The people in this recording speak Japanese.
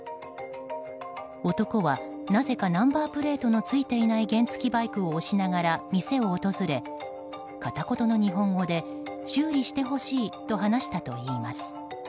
男は、なぜかナンバープレートのついていない原付きバイクを押しながら店を訪れ、片言の日本語で修理してほしいと話したといいます。